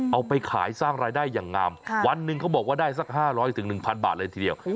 เอาไปขายสร้างรายได้อย่างงามวันหนึ่งเขาบอกว่าได้สัก๕๐๐๑๐๐บาทเลยทีเดียว